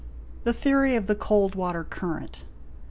The theory of the cold water current.